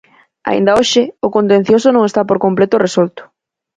Aínda hoxe, o contencioso non está por completo resolto.